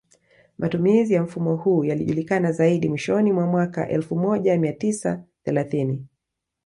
Matumizi ya mfumo huu yalijulikana zaidi mwishoni mwa mwaka elfu moja mia tisa thelathini